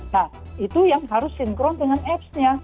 nah itu yang harus sinkron dengan apps nya